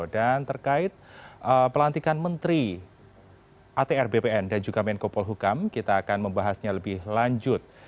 terkait pelantikan menteri atr bpn dan juga menko polhukam kita akan membahasnya lebih lanjut